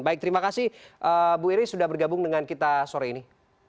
baik terima kasih bu iri sudah bergabung dengan kita sore ini